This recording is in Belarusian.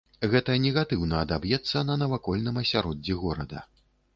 Гэта негатыўна адаб'ецца на навакольным асяроддзі горада.